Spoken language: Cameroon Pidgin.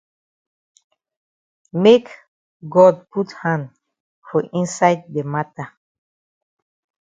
Make God put hand for inside the mata.